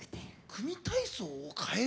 組み体操を変える？